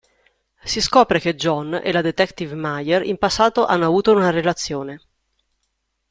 Si scopre che John e la detective Meyer in passato hanno avuto una relazione.